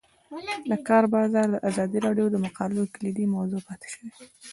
د کار بازار د ازادي راډیو د مقالو کلیدي موضوع پاتې شوی.